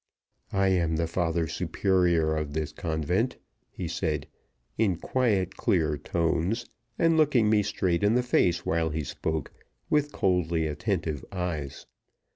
"I am the father superior of this convent," he said, in quiet, clear tones, and looking me straight in the face while he spoke, with coldly attentive eyes.